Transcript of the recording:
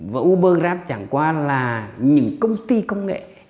và ubergraph chẳng qua là những công ty công nghệ